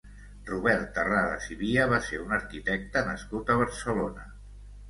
Robert Terradas i Via va ser un arquitecte nascut a Barcelona.